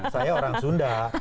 saya orang sunda